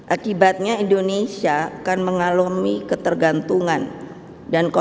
akibatnya indonesia akan mengalami ketergantungan